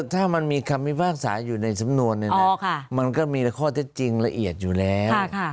ถ้ามันมีคำพิพากษาอยู่ในสำนวนมันก็มีข้อเท็จจริงละเอียดอยู่แล้ว